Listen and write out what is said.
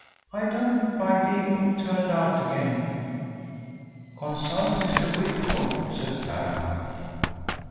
I don't mind being turned out again." "Consult Mr. Whitford," said Clara.